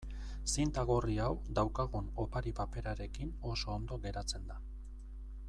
Zinta gorri hau daukagun opari-paperarekin oso ondo geratzen da.